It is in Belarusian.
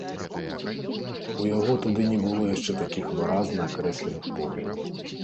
У яго тады не было яшчэ такіх выразна акрэсленых поглядаў.